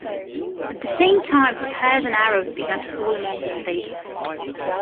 At the same time spears and arrows began to fall among the invaders.